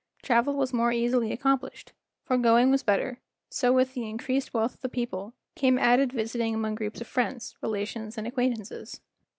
Travel was more easily accomplished, for going was better, so with the increased wealth of the people came added visiting among groups of friends, relations, and acquaintances.